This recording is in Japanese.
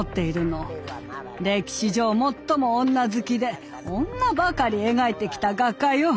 歴史上最も女好きで女ばかり描いてきた画家よ。